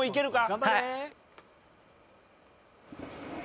頑張れ。